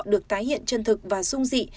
được tái hiện chân thực và dung dị